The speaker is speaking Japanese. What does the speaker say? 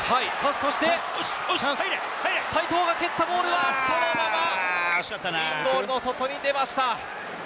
そして齋藤が蹴ったボールはそのままインゴールの外に出ました。